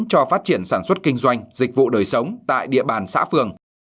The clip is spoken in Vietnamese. cho phát triển sản xuất kinh doanh dịch vụ đời sống tại địa bàn xã phường